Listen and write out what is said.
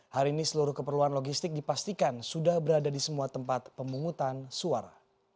hari ini seluruh keperluan logistik dipastikan sudah berada di semua tempat pemungutan suara